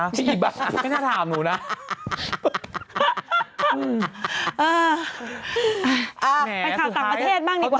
อ่าไปข่ะด้านประเทศบ้างดีกว่า